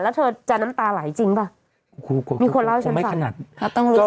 แล้วเธอน้ำตาไหลจริงป่ะมีคนเล่าให้ฉันฟัง